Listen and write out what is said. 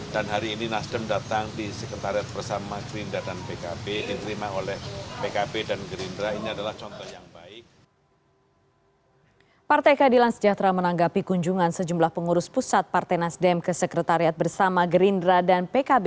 dan hari ini nasdem datang di sekretariat bersama gerindra dan pkb